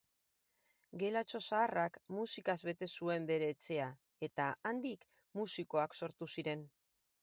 Gelatxo zaharrak musikaz bete zuen bere etxea, eta handik musikoak sortu ziren.